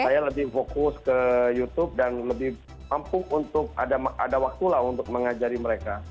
saya lebih fokus ke youtube dan lebih mampu untuk ada waktulah untuk mengajari mereka